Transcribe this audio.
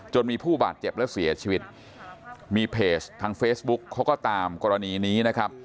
จนมีผู้บาดเจ็บและเสียชีวิตมีเพจทางเฟซบุ๊กเขาก็ตามกรณีนี้นะครับ